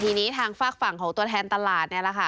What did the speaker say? ทีนี้ทางฝากฝั่งของตัวแทนตลาดเนี่ยแหละค่ะ